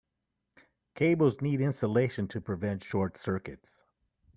Cables need insulation to prevent short circuits.